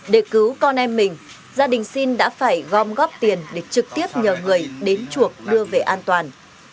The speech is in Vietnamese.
để cứu con em mình gia đình sinh đã phải gom góp tiền để trực tiếp nhờ người đến chuộc đưa về an toàn